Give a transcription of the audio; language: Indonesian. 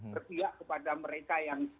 berdiak kepada mereka yang